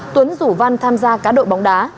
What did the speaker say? tuấn rủ văn tham gia cá độ bóng đá